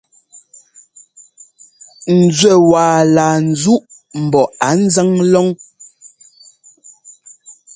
Nzúɛ́ waa laa nzúʼ mbɔ á nzáŋ lɔn.